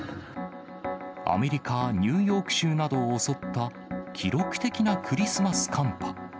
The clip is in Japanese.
アメリカ・ニューヨーク州などを襲った記録的なクリスマス寒波。